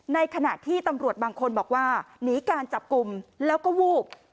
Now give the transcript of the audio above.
ในขณะที่ตำรวจบางคนบอกว่าหนีการจับกลุ่มแล้วก็วูบ